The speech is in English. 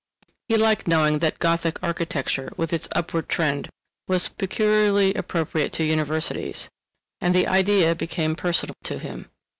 He liked knowing that Gothic architecture, with its upward trend, was peculiarly appropriate to universities, and the idea became personal to him.